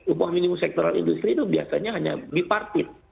upah minimum sektoral industri itu biasanya hanya bipartit